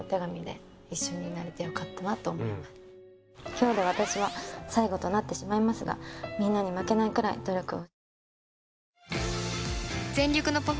今日で私は最後となってしまいますがみんなに負けないくらい努力を。